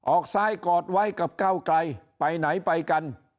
ซ้ายกอดไว้กับก้าวไกลไปไหนไปกัน